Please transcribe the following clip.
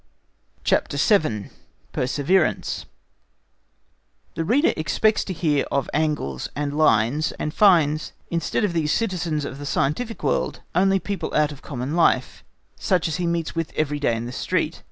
CHAPTER VII. Perseverance The reader expects to hear of angles and lines, and finds, instead of these citizens of the scientific world, only people out of common life, such as he meets with every day in the street.